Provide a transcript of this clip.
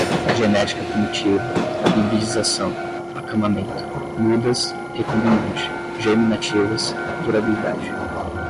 genética primitiva, hibridização, acamamento, mudas, recombinante, germinativas, durabilidade